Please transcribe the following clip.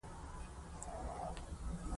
د شريف په سترګو کې اوبه وځلېدلې.